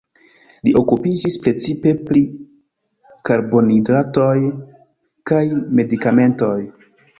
Li okupiĝis precipe pri karbonhidratoj kaj medikamentoj.